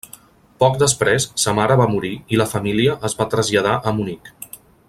Poc després sa mare va morir i la família es va traslladar a Munic.